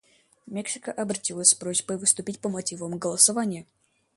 Мексика обратилась с просьбой выступить по мотивам голосования.